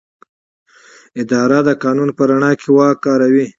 اداره د قانون په رڼا کې واک کاروي.